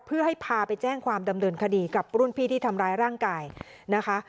เพื่อให้พาไปแจ้งความดำเนินคดีกับรุ่นพี่ที่ทำร้ายร่างกายนะคะ